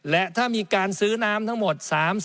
และถ้ามีการซื้อน้ำทั้งหมด๓๐